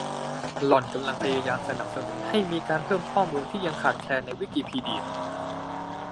หล่อนกำลังพยายามสนับสนุนให้มีการเพิ่มข้อมูลที่ยังขาดแคลนในวิกิพีเดีย